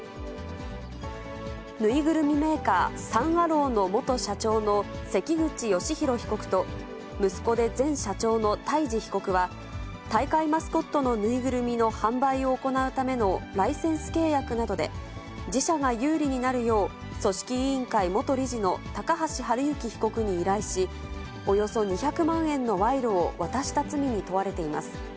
縫いぐるみメーカー、サン・アローの元社長の関口芳弘被告と、息子で前社長の太嗣被告は、大会マスコットの縫いぐるみの販売を行うためのライセンス契約などで、自社が有利になるよう、組織委員会元理事の高橋治之被告に依頼し、およそ２００万円の賄賂を渡した罪に問われています。